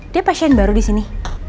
dia pasien baru disini